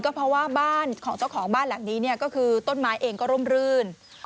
เพราะว่าบ้านของเจ้าของบ้านหลังนี้เนี่ยก็คือต้นไม้เองก็ร่มรื่น